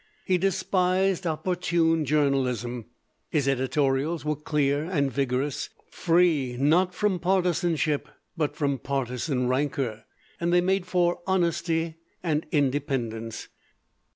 He despised opportune journalism. His editorials were clear and vigorous; free not from partisanship, but from partisan rancor, and they made for honesty and independence.